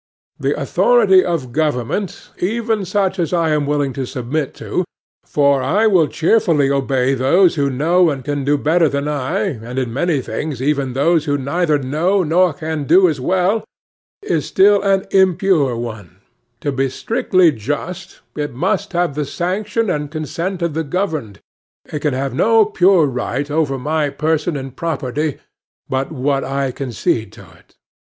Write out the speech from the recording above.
The authority of government, even such as I am willing to submit to,—for I will cheerfully obey those who know and can do better than I, and in many things even those who neither know nor can do so well,—is still an impure one: to be strictly just, it must have the sanction and consent of the governed. It can have no pure right over my person and property but what I concede to it.